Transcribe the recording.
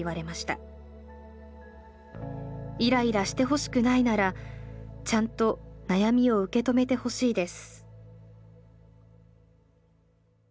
イライラしてほしくないならちゃんと悩みを受け止めてほしいです」。